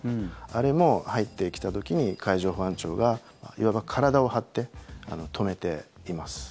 あれも入ってきた時に海上保安庁がいわば体を張って止めています。